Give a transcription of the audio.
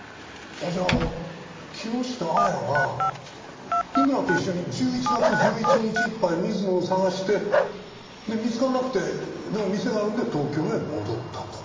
じゃあ木下亜矢は井村と一緒に１１月１１日いっぱい水野を捜してで見つからなくてでも店があるんで東京へ戻ったと。